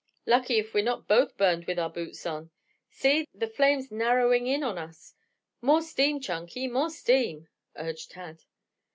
Lucky if we're not both burned with our boots on. See! The flame's narrowing in on us. More steam, Chunky! More steam!" urged Tad.